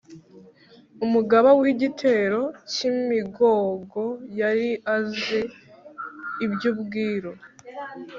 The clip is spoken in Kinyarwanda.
Umugaba w’Igitero cy’imigogo; yari azi iby’ubwiru